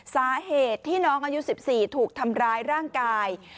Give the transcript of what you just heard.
สาเหตุที่น้องอายุ๑๔ถูกทำร้ายร่างกาย